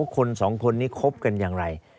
คนสองคนนี้คบกันอย่างไร